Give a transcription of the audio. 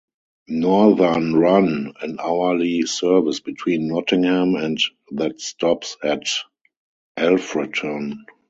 Northern run an hourly service between Nottingham and that stops at Alfreton.